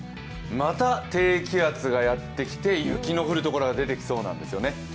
また低気圧がやってきて、雪の降る所が出てきそうなんですね。